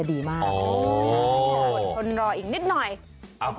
โอเคโอเคโอเค